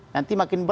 nanti makin berat